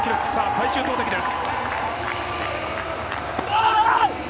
最終投てきです。